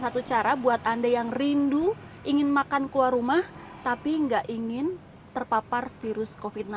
satu cara buat anda yang rindu ingin makan keluar rumah tapi nggak ingin terpapar virus